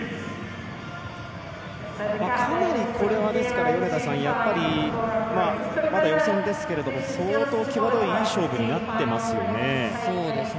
かなり、これは、やっぱりまだ予選ですけれども相当際どいいい勝負になってますよね。